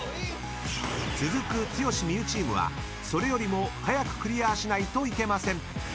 ［続く剛・望結チームはそれよりも早くクリアしないといけません］